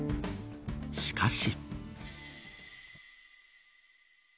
しかし。